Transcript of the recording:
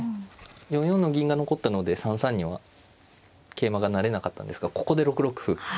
４四の銀が残ったので３三には桂馬が成れなかったんですがここで６六歩。